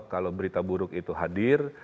kalau berita buruk itu hadir